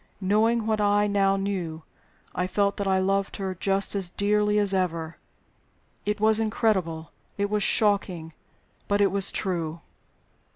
Knowing what I now knew, I felt that I loved her just as dearly as ever. It was incredible, it was shocking; but it was true.